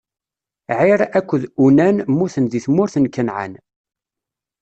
Ɛir akked Unan mmuten di tmurt n Kanɛan.